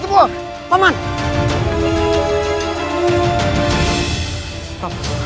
jangan seperti ini